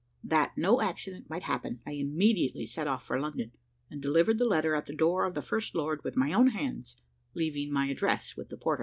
That no accident might happen, I immediately set off for London, and delivered the letter at the door of the First Lord with my own hands, leaving my address with the porter.